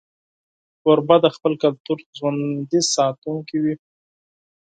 کوربه د خپل کلتور ژوندي ساتونکی وي.